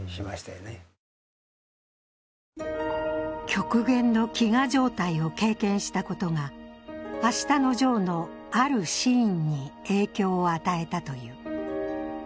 極限の飢餓状態を経験したことが「あしたのジョー」のあるシーンに影響を与えたという。